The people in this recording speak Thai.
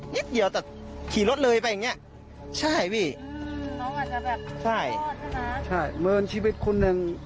นิดเดียวแต่ขี่รถเลยไปอย่างเงี้ยใช่พี่น้องอาจจะแบบใช่ใช่เหมือนชีวิตคนหนึ่ง